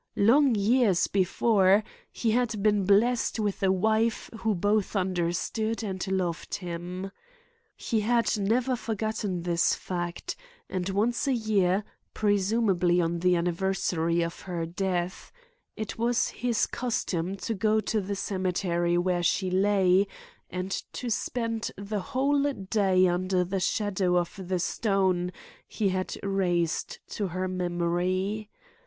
Long years before, he had been blessed with a wife who both understood and loved him. He had never forgotten this fact, and once a year, presumably on the anniversary of her death, it was his custom to go to the cemetery where she lay and to spend the whole day under the shadow of the stone he had raised to her memory.